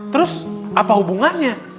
terus apa hubungannya